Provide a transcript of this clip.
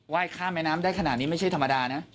ข้ามแม่น้ำได้ขนาดนี้ไม่ใช่ธรรมดานะ